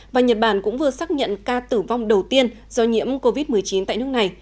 và nhật bản cũng vừa xác nhận ca tử vong đầu tiên do nhiễm covid một mươi chín tại nước này